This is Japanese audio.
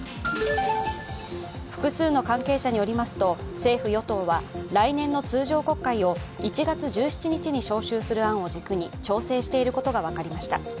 複数の関係者によりますと政府・与党は来年の通常国会を１月１７日に召集する案を軸に調整していることが分かりました。